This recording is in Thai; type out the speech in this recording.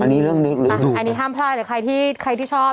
อันนี้เรื่องลึกอ๋อนี่ห้ามพลาดแต่ใครที่ชอบ